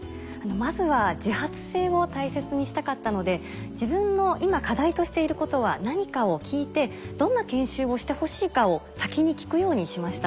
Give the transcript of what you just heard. まずは自発性を大切にしたかったので自分の今課題としていることは何かを聞いてどんな研修をしてほしいかを先に聞くようにしました。